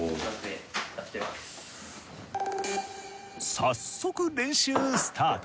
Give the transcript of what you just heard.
早速練習スタート。